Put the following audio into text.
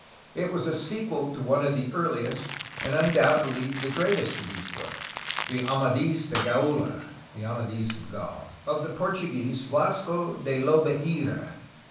It was a sequel to one of the earliest and undoubtedly the greatest of these books, the Amadis de Gaula (Amadls of Gaul) of the Portuguese Vasco de Lobeira.